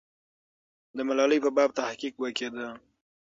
د ملالۍ په باب تحقیق به کېده.